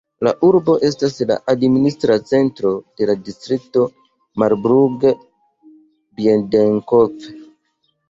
La urbo estas la administra centro de la distrikto Marburg-Biedenkopf.